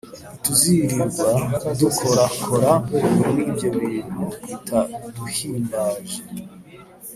ntituzirirwa dukorakora muri ibyo bintu bitaduhimbaje